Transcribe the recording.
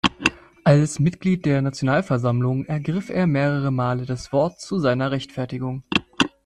Als Mitglied der Nationalversammlung ergriff er mehrere Male das Wort zu seiner Rechtfertigung.